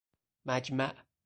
مجمع